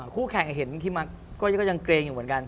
คู่แข่งเห็นคิมักก็ยังเกรงอยู่เหมือนกัน